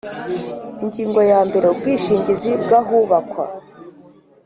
Ingingo ya mbere Ubwishingizi bw ahubakwa